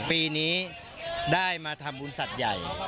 ปีนี้ได้มาทำบุญสัตว์ใหญ่